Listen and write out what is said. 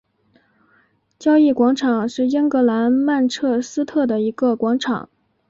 交易广场是英格兰曼彻斯特的一个广场。